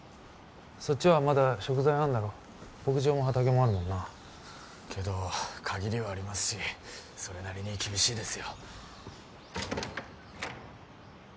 そっちはまだ食材あんだろ牧場も畑もあるもんなけど限りはありますしそれなりに厳しいですよ